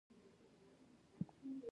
بودا او ګاندي دا لار ښودلې.